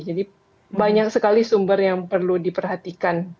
jadi banyak sekali sumber yang perlu diperhatikan